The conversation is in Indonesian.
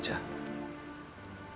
dan aku mati saja